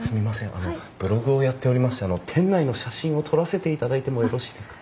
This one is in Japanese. あのブログをやっておりまして店内の写真を撮らせていただいてもよろしいですか？